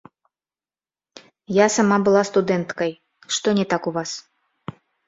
Я сама была студэнткай, што не так у вас?